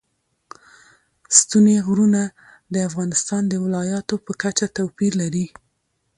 ستوني غرونه د افغانستان د ولایاتو په کچه توپیر لري.